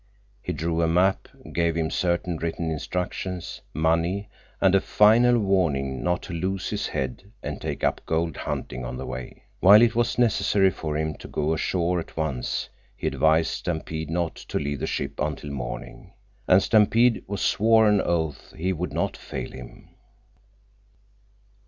He drew a map, gave him certain written instructions, money, and a final warning not to lose his head and take up gold hunting on the way. While it was necessary for him to go ashore at once, he advised Stampede not to leave the ship until morning. And Stampede swore on oath he would not fail him.